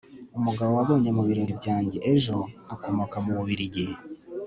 umugabo wabonye mu biro byanjye ejo akomoka mu bubiligi